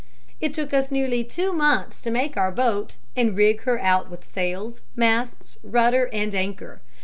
It took us nearly two months to make our boat and rig her out with sails, masts, rudder, and anchor.